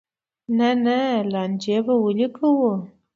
نه نه لانجې به ولې کوو.